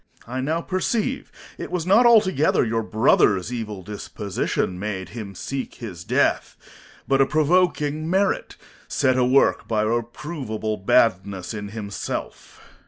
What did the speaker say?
Corn. I now perceive it was not altogether your brother's evil disposition made him seek his death; but a provoking merit, set awork by a reproveable badness in himself.